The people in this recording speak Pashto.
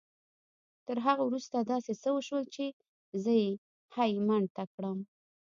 تر هغه وروسته داسې څه وشول چې زه يې هيλε مند کړم.